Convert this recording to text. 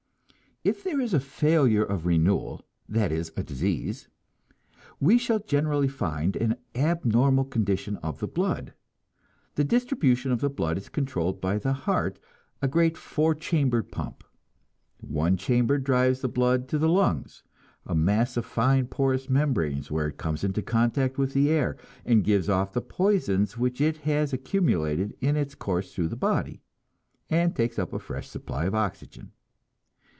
If there is a failure of renewal that is, a disease we shall generally find an abnormal condition of the blood. The distribution of the blood is controlled by the heart, a great four chambered pump. One chamber drives the blood to the lungs, a mass of fine porous membranes, where it comes into contact with the air, and gives off the poisons which it has accumulated in its course through the body, and takes up a fresh supply of oxygen.